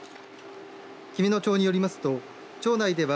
紀美野町によりますと、町内では